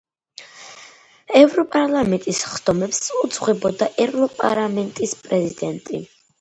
ევროპარლამენტის სხდომებს უძღვება ევროპარლამენტის პრეზიდენტი.